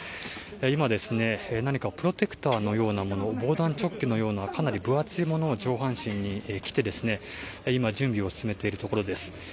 今、何かプロテクター防弾チョッキのような分厚いものを上半身に着て今、準備を進めているところです。